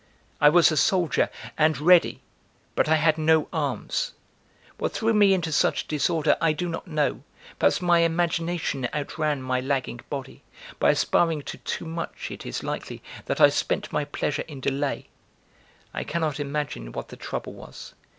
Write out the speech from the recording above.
I was a soldier, and ready, but I had no arms. What threw me into such disorder I do not know, perhaps my imagination outran my lagging body, by aspiring to too much it is likely that I spent my pleasure in delay; I cannot imagine what the trouble was.